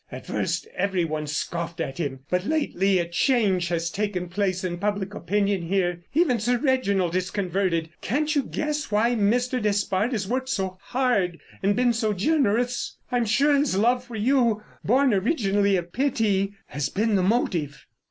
At first every one scoffed at him, but lately a change has taken place in public opinion here. Even Sir Reginald is converted. Can't you guess why Mr. Despard has worked so hard and been so generous? I'm sure his love for you, born originally of pity, has been the motive."